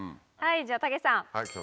はいじゃあたけしさん。